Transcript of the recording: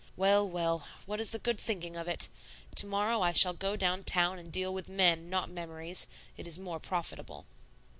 Well, well, what is the good of thinking of it? To morrow I shall go down town and deal with men, not memories; it is more profitable."